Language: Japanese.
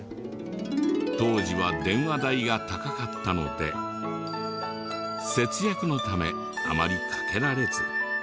当時は電話代が高かったので節約のためあまりかけられず。